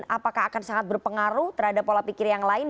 apakah akan sangat berpengaruh terhadap pola pikir yang lain